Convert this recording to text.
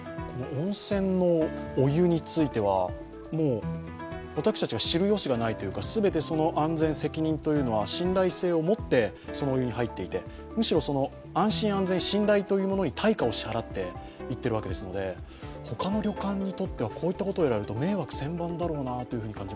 温泉のお湯については、もう私たちは知る由もないというか全て安全、責任というのは信頼性を持ってそのお湯に入っていてむしろ安心・安全、信頼というものに対価を支払っていっているわけですので他の旅館にとっては、こういうことをやられると迷惑千万だろうなと。